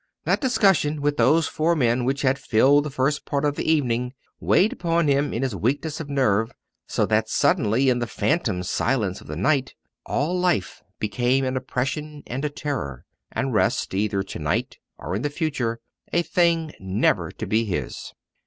That discussion with those four men which had filled the first part of the evening weighed upon him in his weakness of nerve, so that suddenly in the phantom silence of the night, all life became an oppression and a terror, and rest, either to night or in the future, a thing never to be his.